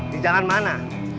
di jalan mana